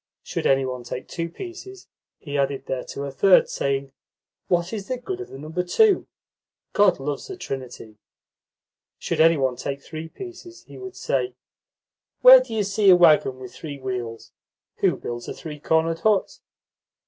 Should any one take two pieces, he added thereto a third, saying: "What is the good of the number 2? God loves a trinity." Should any one take three pieces, he would say: "Where do you see a waggon with three wheels? Who builds a three cornered hut?"